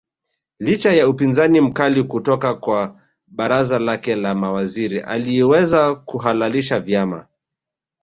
Licha ya upinzani mkali kutoka kwa baraza lake la mawaziri aliweza kuhalalisha vyama